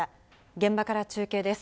現場から中継です。